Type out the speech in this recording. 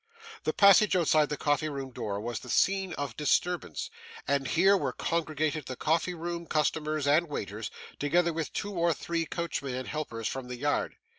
The passage outside the coffee room door was the scene of disturbance, and here were congregated the coffee room customers and waiters, together with two or three coachmen and helpers from the yard.